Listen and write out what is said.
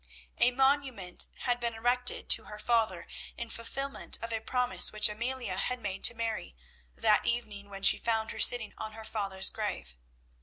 A monument had been erected to her father in fulfilment of a promise which Amelia had made to Mary that evening when she found her sitting on her father's grave.